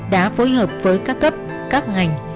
đã phối hợp với các cấp các ngành